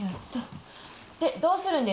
でどうするんですか？